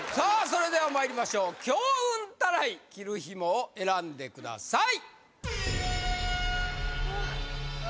それではまいりましょう強運タライ切るヒモを選んでください